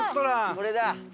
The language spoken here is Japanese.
これだ！